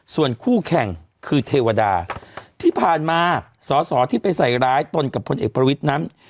ส่วนคู่แข่งคือเทวดาที่ผ่านมาสอสอที่ไปใส่ร้ายตนกับพลเอกประวิทย์นั้น